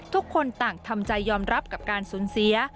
ทุกคนต่างทำใจยอมรับกับการสูญเสีย